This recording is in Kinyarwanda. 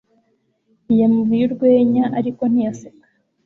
Yamubwiye urwenya ariko ntiyaseka